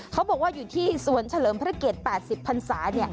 เขาบอกว่าอยู่ที่สวนเฉลิมพระเกียรติ๘๐พันศา